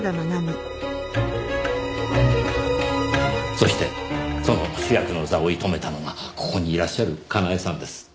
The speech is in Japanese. そしてその主役の座を射止めたのがここにいらっしゃるかなえさんです。